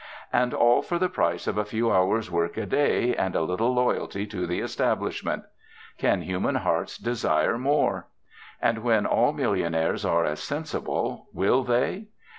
And all for the price of a few hours' work a day, and a little loyalty to the 'establishment.' Can human hearts desire more? And, when all millionaires are as sensible, will they?